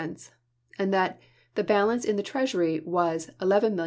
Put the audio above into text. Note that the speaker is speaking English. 90, and that the balance in the treasury was $17,710,114.